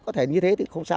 có thể như thế thì không sao